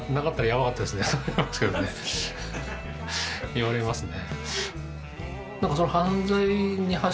言われますね。